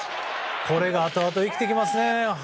これがあとあと生きてきますよ。